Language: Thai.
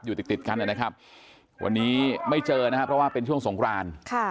อยู่ติดติดกันนะครับวันนี้ไม่เจอนะครับเพราะว่าเป็นช่วงสงคราน